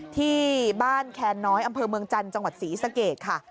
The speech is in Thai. ที่บ้านแคนน้อยอำเภอเมืองจันทร์จังหวัดศรีสเกตค่ะ